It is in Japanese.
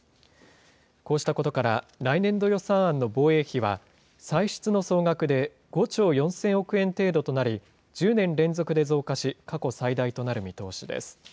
こうしたことから来年度予算案の防衛費は、歳出の総額で５兆４０００億円程度となり、１０年連続で増加し、過去最大となる見通しです。